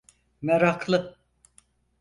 Meraklı!